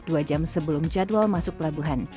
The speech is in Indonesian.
dua jam sebelum jadwal masuk pelabuhan